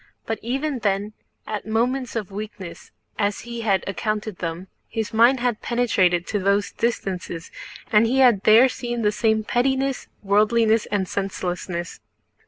But even then, at moments of weakness as he had accounted them, his mind had penetrated to those distances and he had there seen the same pettiness, worldliness, and senselessness.